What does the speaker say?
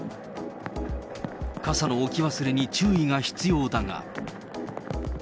傘の置き忘れに注意が必要だが。